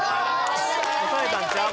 ・おさえたんちゃう？